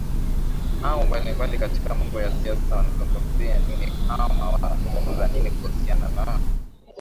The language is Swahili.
au mbalimbali katika mambo ya siasa wanazungumzia nini ama wanazungumza nini kuhusiana na